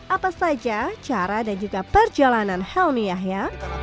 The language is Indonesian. apa saja cara dan juga perjalanan helmi yahya